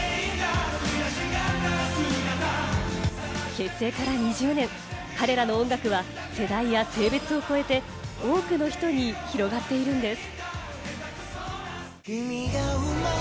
結成から２０年、彼らの音楽は世代や性別を超えて多くの人に広がっているんです。